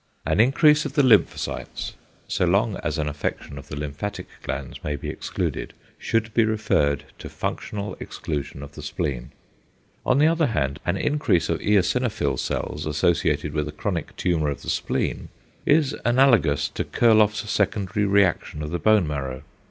An increase of the lymphocytes, so long as an affection of the lymphatic glands may be excluded, should be referred to functional exclusion of the spleen. On the other hand, an increase of eosinophil cells associated with a chronic tumour of the spleen, is analogous to Kurloff's secondary reaction of the bone marrow.